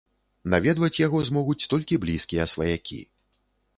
Наведваць яго змогуць толькі блізкія сваякі.